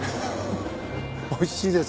おいしいです。